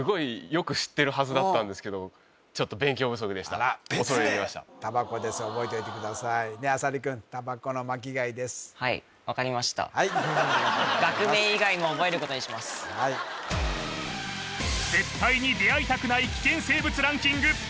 よく知ってるはずだったんですけどちょっと勉強不足でしたおそれいりましたたばこです覚えといてください浅利くんたばこの巻貝ですはい絶対に出会いたくない危険生物ランキング